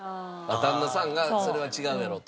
旦那さんがそれは違うやろと。